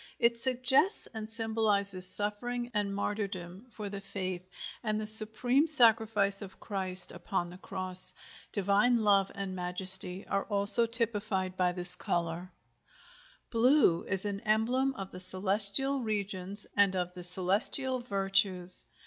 It suggests and symbolizes suffering and martyrdom for the faith, and the supreme sacrifice of Christ upon the Cross. Divine love and majesty are also typified by this color. BLUE is an emblem of the celestial regions and of the celestial virtues.